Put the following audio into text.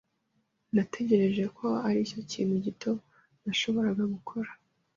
Natekereje ko aricyo kintu gito nashoboraga gukora.